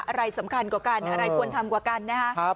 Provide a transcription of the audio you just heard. อะไรสำคัญกว่ากันอะไรควรทำกว่ากันนะครับ